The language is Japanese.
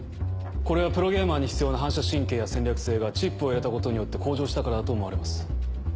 これはプロゲーマーに必要な反射神経や戦略性がチップを入れたことによって向上したからだと思われます。